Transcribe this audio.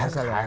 kasih aja deh